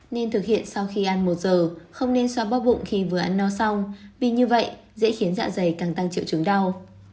nên thực hiện sau khi ăn một giờ không nên xoa bóp bụng khi vừa ăn no xong vì như vậy dễ khiến dạ dày càng tăng triệu chứng đau